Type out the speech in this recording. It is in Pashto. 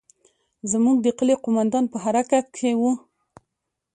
زموږ د کلي قومندان په حرکت کښې و.